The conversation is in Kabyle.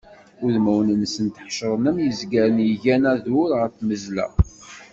Udmawen-nsent ḥecṛen am yizgaren iggan adur ɣer tmezla.